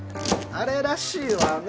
あれらしいわね